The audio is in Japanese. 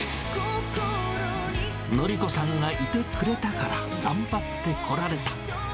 のり子さんがいてくれたから、頑張ってこられた。